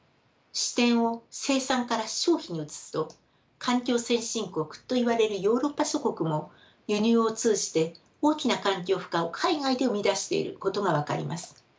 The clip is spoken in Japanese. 視点を生産から消費に移すと環境先進国といわれるヨーロッパ諸国も輸入を通じて大きな環境負荷を海外で生み出していることが分かります。